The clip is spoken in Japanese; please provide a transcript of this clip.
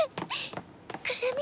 「くるみ」